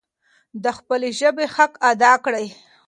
د خپلې ژبي حق ادا کړئ.